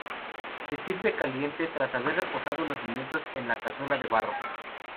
Se sirve caliente tras haber reposado unos minutos en la cazuela de barro.